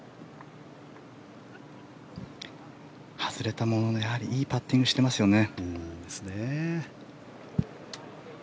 外れたもののいいパッティングをしていますよね。